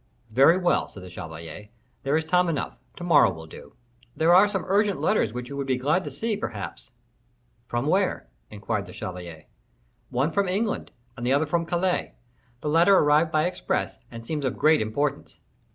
"Very well," said the chevalier, "there is time enough; to morrow will do." "There are some urgent letters which you would be glad to see, perhaps." "Where from?" inquired the chevalier. "One from England, and the other from Calais; the latter arrived by express, and seems of great importance."